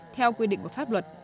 theo quy định của pháp luật